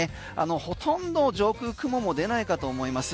ほとんど上空雲も出ないかと思います。